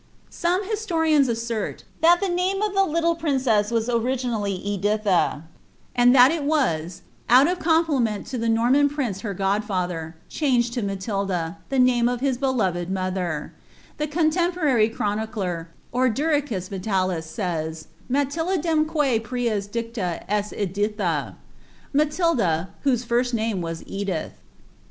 Sorat historians assert thai the name of the Itiile princess was originally E<Iil[ia, anil tlist it was, out of complinienl In the Norman prince her goOfalher, changed to Matilda, the name of his beloved mother; the contemporary chronicler, Ordericus Vitalia, says, "JWifiWcw yua prius dicta ett Bfi rta." — Matilda, whose first name was EJiih.'